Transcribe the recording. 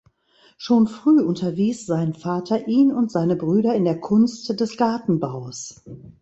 Schon früh unterwies sein Vater ihn und seine Brüder in der Kunst des Gartenbaus.